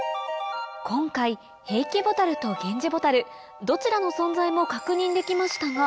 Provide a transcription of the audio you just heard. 今回ヘイケボタルとゲンジボタルどちらの存在も確認できましたが